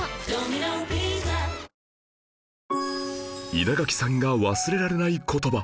稲垣さんが忘れられない言葉